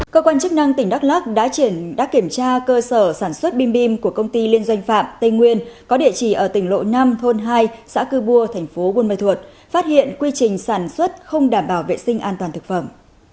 cơ quan chức năng tỉnh đắk lắc đã kiểm tra cơ sở sản xuất bim bim của công ty liên doanh phạm tây nguyên có địa chỉ ở tỉnh lộ năm thôn hai xã cư bua thành phố buôn ma thuột phát hiện quy trình sản xuất không đảm bảo vệ sinh an toàn thực phẩm